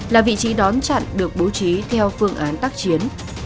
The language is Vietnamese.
là vị trí đón chặn được bố trí theo phương án tác chiến